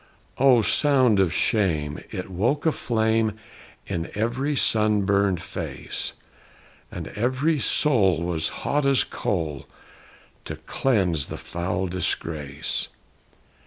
Oh, sound of shame! It woke a flame In every sunburned face, And every soul was hot as coal To cleanse the foul disgrace.